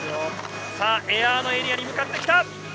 エアのエリアに向かってきた！